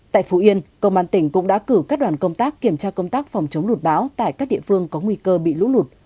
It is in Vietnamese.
tại phú yên công an tỉnh cũng đã cử các đoàn công tác kiểm tra công tác phòng chống lụt bão tại các địa phương có nguy cơ bị lũ lụt